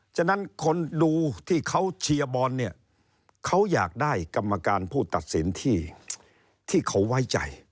ฉะนั้นคนดูที่เขาเชียร์บอลเนี่ยเขาอยากได้กรรมการผู้ตัดสินที่เขาไว้ใจ